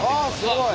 すごい！